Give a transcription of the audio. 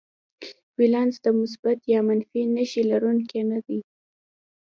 ولانس د مثبت یا منفي نښې لرونکی نه دی.